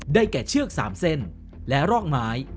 ได้แก่เชือก๓เซนและรอกไม้